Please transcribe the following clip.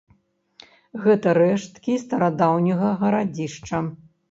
Гэта рэшткі старадаўняга гарадзішча.